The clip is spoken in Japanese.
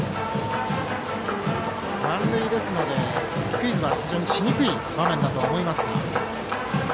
満塁ですので、スクイズは非常にしにくい場面だと思いますが。